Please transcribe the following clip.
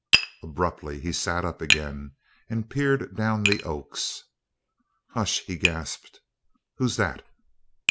Abruptly he sat up again and peered down the oaks. "Hush!" he gasped. "Who's that?"